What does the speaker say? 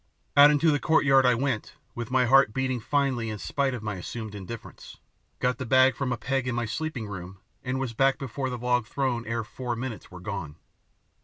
Out into the courtyard I went, with my heart beating finely in spite of my assumed indifference; got the bag from a peg in my sleeping room, and was back before the log throne ere four minutes were gone.